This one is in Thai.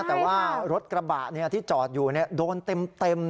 แต่ว่ารถกระบะที่จอดอยู่โดนเต็ม